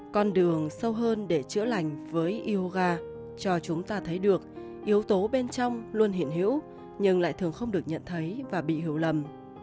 con đường sâu hơn để chữa lành với yoga cho chúng ta thấy được yếu tố bên trong luôn hiện hữu nhưng lại thường không được nhận thấy và bị hiểu lầm